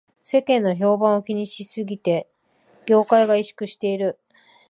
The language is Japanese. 世間の評判を気にしすぎで業界が萎縮している